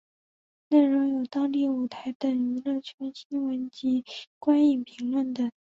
内容有当地舞台等娱乐圈新闻及观影评论等。